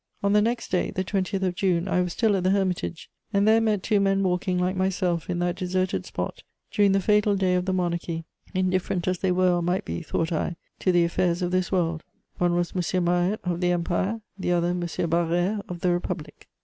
On the next day, the 20th of June, I was still at the Hermitage, and there met two men walking, like myself, in that deserted spot during the fatal day of the monarchy, indifferent as they were or might be, thought I, to the affairs of this world: one was M. Maret, of the Empire, the other M. Barère, of the Republic.